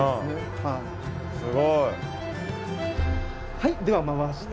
はいでは回して。